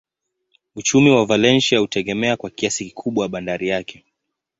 Uchumi wa Valencia hutegemea kwa kiasi kikubwa bandari yake.